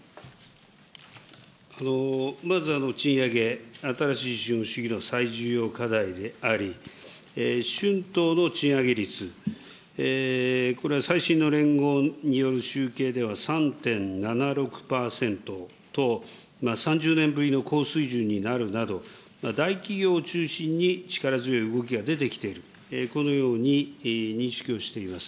まず賃上げ、新しい資本主義の最重要課題であり、春闘の賃上げ率、これは最新の連合による集計では３．７６％と、３０年ぶりの高水準になるなど、大企業を中心に、力強い動きが出ている、このように認識をしています。